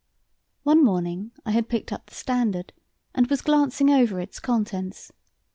One morning I had picked up the Standard and was glancing over its contents.